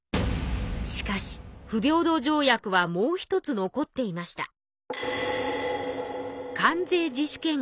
しかし不平等条約はもう一つ残っていました。